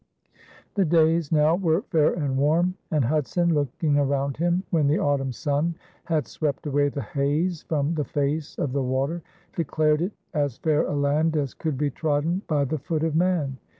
The days now were fair and warm, and Hudson, looking around him when the autumn sun had swept away the haze from the face of the water, declared it as fair a land as could be trodden by the foot of man.